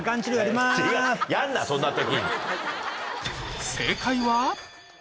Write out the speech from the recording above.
やんなそんな時。